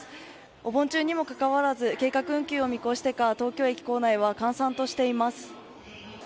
お盆中にもかかわらず計画運休を見越してか東京駅構内は閑散としています。